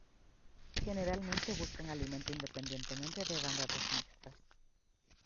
Generalmente buscan alimento independientemente de bandadas mixtas.